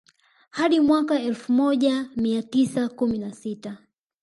Hadi mwaka wa elfu moja mia tisa kumi na sita